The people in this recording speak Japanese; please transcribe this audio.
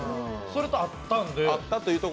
それと合ったんで。